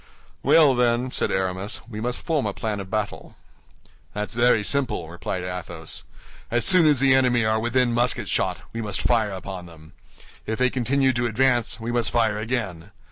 "Well, then," said Aramis, "we must form a plan of battle." "That's very simple," replied Athos. "As soon as the enemy are within musket shot, we must fire upon them. If they continue to advance, we must fire again.